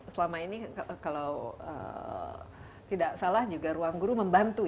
selama ini kalau tidak salah juga ruang guru membantu